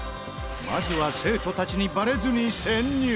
まずは生徒たちにバレずに潜入。